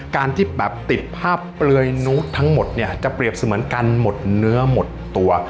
การที่แบบติดภาพเปลือยนู้ดทั้งหมดเนี่ยจะเปรียบเสมือนการหมดเนื้อหมดตัว